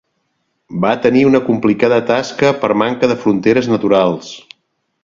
Va tenir una complicada tasca per manca de fronteres naturals.